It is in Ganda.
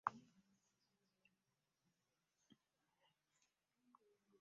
Nankere akola emikolo kkumi na gumu ku mulangira agenda okulya Obuganda.